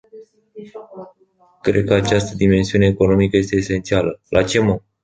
Cred că această dimensiune economică este esențială.